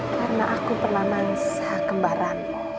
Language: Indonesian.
karena aku pernah nangsa kembaranmu